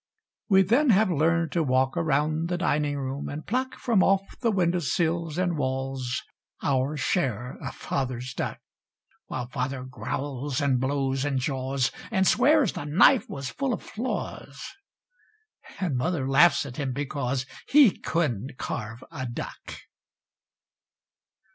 We then have learned to walk around the dining room and pluck From off the windowsills and walls Our share of Father's duck While Father growls and blows and jaws And swears the knife was full of flaws And Mother laughs at him because He couldn't carve a duck.